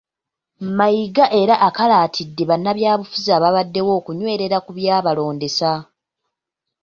Mayiga era akalaatidde bannabyabufuzi ababaddewo okunywerera ku byabalondesa.